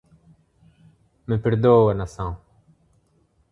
Me perdoa nação